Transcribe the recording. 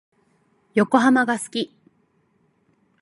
横浜が好き。